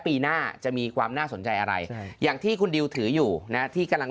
ปีหน้าจะมีความน่าสนใจอะไรอย่างที่คุณดิวถืออยู่นะที่กำลัง